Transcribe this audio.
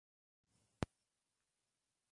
Es asimismo capital del distrito de Sauce.